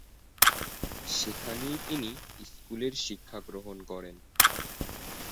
সেখানেই তিনি স্কুলের শিক্ষা গ্রহণ করেন।